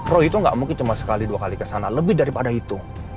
roy itu gak mungkin cuma sekali dua kali kesana lebih daripada itu